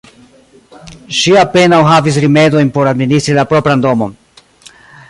Ŝi apenaŭ havis rimedojn por administri la propran domon.